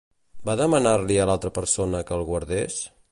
Va demanar-li a l'altra persona que el guardés?